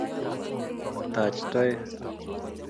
taach toek